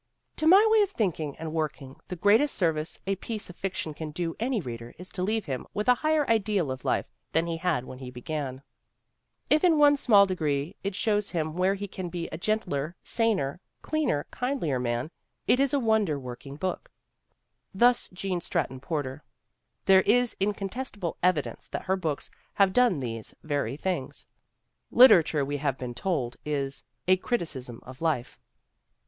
^' 'To my way of thinking and working the greatest service a piece of fiction can do any reader is to leave him with a higher ideal of life than he had when he began. If in one small degree it shows him where he GENE STRATTON PORTER 107 can be a gentler, saner, cleaner, kindlier man, it is a wonder working book.' ' Thus Gene Stratton Porter. There is incontest able evidence that her books have done these very things. I Literature, we have been tolc^ is "a criticism of life."